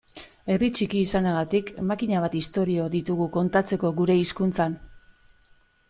Herri txiki izanagatik makina bat istorio ditugu kontatzeko gure hizkuntzan.